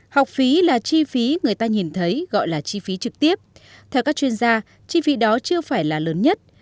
học phí là chi phí người ta nhìn thấy gọi là chi phí trực tiếp theo các chuyên gia chi phí đó chưa phải là lớn nhất